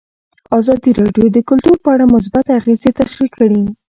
ازادي راډیو د کلتور په اړه مثبت اغېزې تشریح کړي.